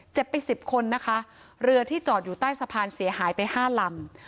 ไปสิบคนนะคะเรือที่จอดอยู่ใต้สะพานเสียหายไปห้าลำ